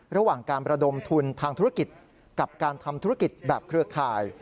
ระหว่างการประดมทุนทางธุรกิจกับการทำธุรกิจแบบเครือข่าย